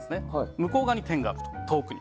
向こう側に点があると、遠くに。